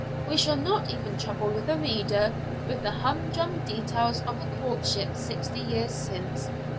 We shall not even trouble the reader with the humdrum details of a courtship Sixty Years Since.